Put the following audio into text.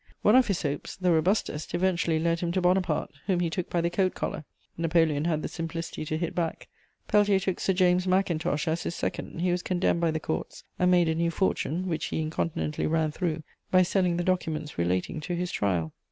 One of his hopes, the robustest, eventually led him to Bonaparte, whom he took by the coat collar: Napoleon had the simplicity to hit back. Peltier took Sir James Mackintosh as his second; he was condemned by the courts, and made a new fortune (which he incontinently ran through) by selling the documents relating to his trial.